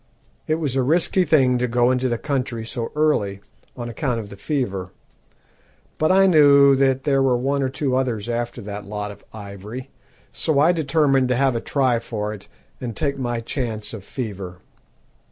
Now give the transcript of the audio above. It was a risky thing to go into the country so early, on account of the fever; but I knew that there were one or two others after that lot of ivory, so I determined to have a try for it, and take my chance of fever.